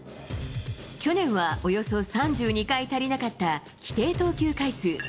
去年はおよそ３２回足りなかった規定投球回数。